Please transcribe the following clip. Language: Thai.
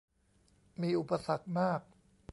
มีอุปสรรคมาก